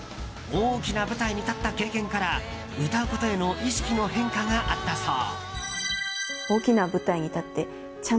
大きな舞台に立った経験から歌うことへの意識の変化があったそう。